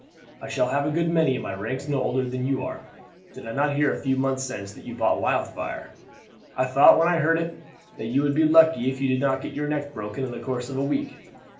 I shall have a good many in my ranks no older than you are. Did I not hear a few months since that you bought Wildfire? I thought when I heard it; that you would be lucky if you did not get your neck broken in the course of a week.